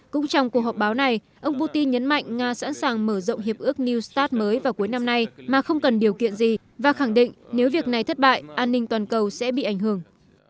cũng trong cuộc họp báo này ông putin nhấn mạnh nga sẵn sàng mở rộng hiệp ước new start mới vào cuối năm nay mà không cần điều kiện gì và khẳng định nếu việc này thất bại an ninh toàn cầu sẽ bị ảnh hưởng